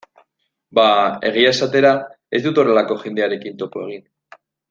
Ba, egia esatera, ez dut horrelako jendearekin topo egin.